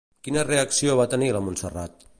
Quina reacció va tenir la Montserrat?